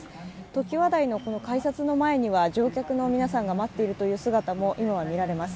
ときわ台の改札の前には乗客の皆さんが待っている様子も今は見られます。